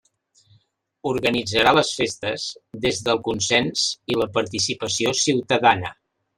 Organitzarà les festes des del consens i la participació ciutadana.